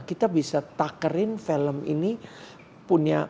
kita bisa takerin film ini punya